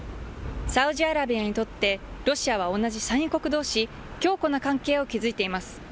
サウジアラビアにとってロシアは同じ産油国どうし強固な関係を築いています。